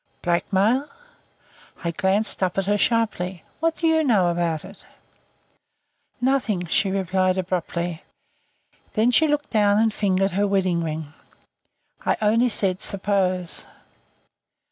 "Blackmail ?" I glanced up at her sharply. "What do you know about it?" "Nothing," she replied abruptly. Then she looked down and fingered her wedding ring. "I only said 'suppose.'"